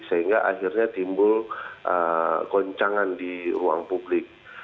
sehingga akhirnya timbul goncangan di ruang publik